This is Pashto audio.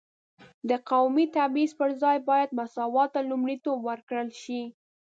د قومي تبعیض پر ځای باید مساوات ته لومړیتوب ورکړل شي.